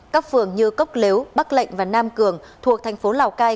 các phường như cốc lếu bắc lệnh và nam cường thuộc thành phố lào cai